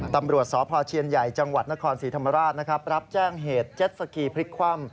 ตำรวจสเชียญใหญ่จนครสีธรรมราชรับแจ้งเหตุเจ็ดสกีพริกคว่ำ